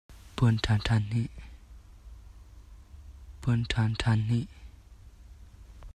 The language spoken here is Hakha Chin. Puan than than hnih.